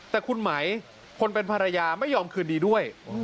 แต่คุณไหมคนเป็นภรรยาไม่ยอมคืนดีด้วย